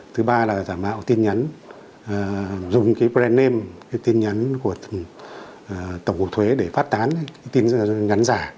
thứ ba là giả mạo tin nhắn dùng cái brand name cái tin nhắn của tổng cục thuế để phát tán tin nhắn giả